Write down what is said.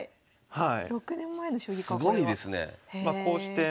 はい。